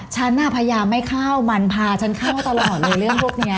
ฉันน่ะพยายามไม่เข้ามันพาฉันเข้าตลอดเลยเรื่องพวกนี้